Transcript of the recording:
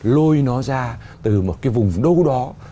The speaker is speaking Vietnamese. lôi nó ra từ một cái vùng đâu đó